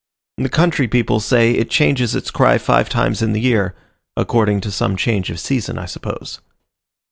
The country people say it changes its cry five times in the year according to some change of season, I suppose.